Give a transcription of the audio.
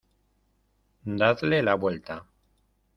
¡ Dadle la vuelta!